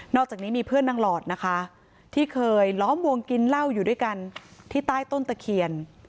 อกจากนี้มีเพื่อนนางหลอดนะคะที่เคยล้อมวงกินเหล้าอยู่ด้วยกันที่ใต้ต้นตะเคียน